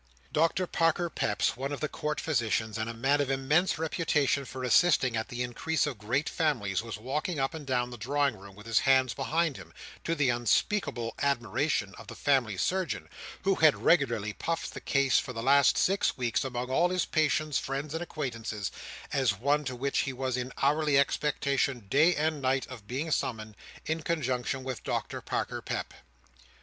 Doctor Parker Peps, one of the Court Physicians, and a man of immense reputation for assisting at the increase of great families, was walking up and down the drawing room with his hands behind him, to the unspeakable admiration of the family Surgeon, who had regularly puffed the case for the last six weeks, among all his patients, friends, and acquaintances, as one to which he was in hourly expectation day and night of being summoned, in conjunction with Doctor Parker Pep.